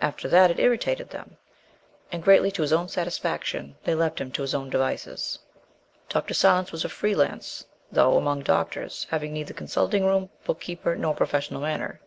After that, it irritated them, and, greatly to his own satisfaction, they left him to his own devices. Dr. Silence was a free lance, though, among doctors, having neither consulting room, book keeper, nor professional manner.